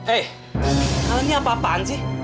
eh hal ini apa apaan sih